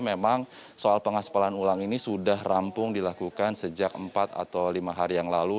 memang soal pengaspalan ulang ini sudah rampung dilakukan sejak empat atau lima hari yang lalu